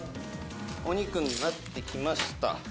「お肉になってきました」